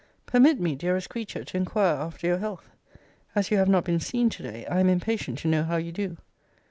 Permit me, dearest creature, to inquire after your health. As you have not been seen to day, I am impatient to know how you do.